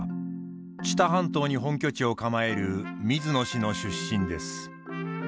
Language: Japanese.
知多半島に本拠地を構える水野氏の出身です。